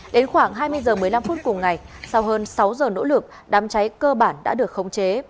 đến khoảng hai mươi h một mươi năm phút cùng ngày sau hơn sáu giờ nỗ lực đám cháy cơ bản đã được khống chế